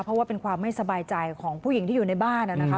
เพราะว่าเป็นความไม่สบายใจของผู้หญิงที่อยู่ในบ้านนะคะ